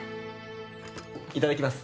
いただきます。